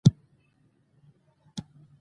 وړاندیزونو ، نظرونه وړاندې کولو.